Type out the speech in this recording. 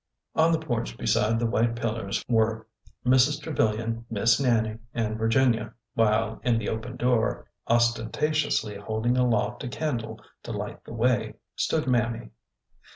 '' On the porch beside the white pillars were Mrs. Tre vilian. Miss Nannie, and Virginia, while in the open door — ostentatiously holding aloft a candle to light the way— stood Mammy.